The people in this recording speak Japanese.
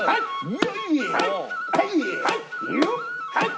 はい！